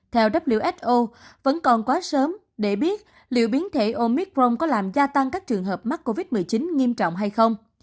theo who vẫn còn quá sớm để biết liệu biến thể omicron có làm gia tăng các trường hợp mắc covid một mươi chín nghiêm trọng hay không